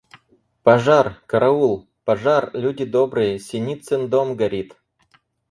Пожар! Караул! Пожар, люди добрые, Синицин дом горит!